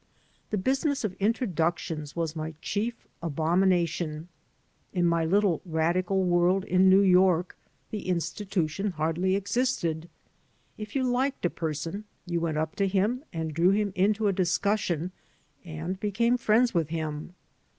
The business of introductions was my chief abomina tion. In my little radical world in New York the institution hardly existed. If you liked a person, you went up to him and drew him into a discussion and became friends with him.